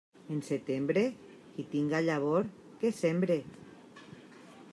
En setembre, qui tinga llavor, que sembre.